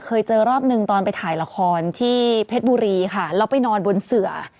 เคยเจอรอบหนึ่งตอนไปถ่ายละครที่เพชรบุรีค่ะแล้วไปนอนบนเสือ